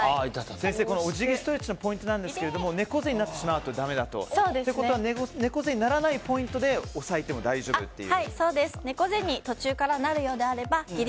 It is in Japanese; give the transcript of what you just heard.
先生、お辞儀ストレッチのポイントですが猫背になってしまうとだめだと。ということは、猫背にならないポイントで押さえても大丈夫という。